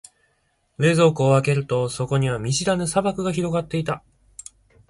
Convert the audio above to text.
冷蔵庫を開けると、そこには見知らぬ砂漠が広がっていた。